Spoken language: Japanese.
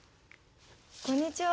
こんにちは。